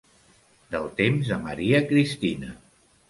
Del temps de Maria Cristina.